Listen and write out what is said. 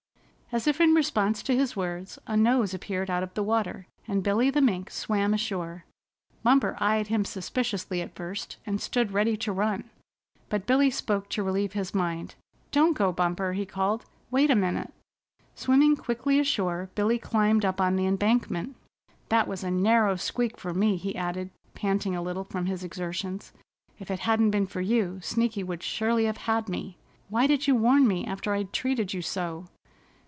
As if in response to his words, a nose appeared out of the water, and Billy the Mink swam ashore. Bumper eyed him suspiciously at first, and stood ready to run; but Billy spoke to relieve his mind. "Don't go, Bumper!" he called. "Wait a minute!" Swimming quickly ashore, Billy climbed up on the embankment. "That was a narrow squeak for me," he added, panting a little from his exertions. "If it hadn't been for you, Sneaky would surely have had me. Why did you warn me after I'd treated you so?"